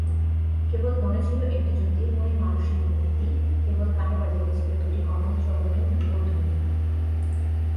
কেবল মনে ছিল একটি জ্যোতির্ময়ী মানসী মূর্তি, কেবল কানে বাজিতেছিল দুটি কমলচরণের নূপুরধ্বনি।